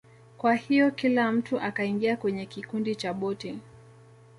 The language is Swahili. Kwa hiyo kila mtu akaingia kwenye kikundi cha boti